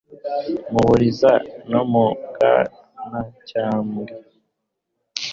mu Buliza no mu Bwanacyambwe.